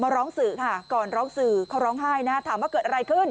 ร้องสื่อค่ะก่อนร้องสื่อเขาร้องไห้นะถามว่าเกิดอะไรขึ้น